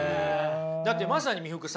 だってまさに三福さん